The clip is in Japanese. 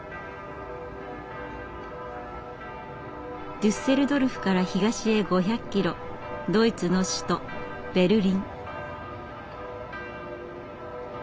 デュッセルドルフから東へ５００キロドイツの首都ベルリン。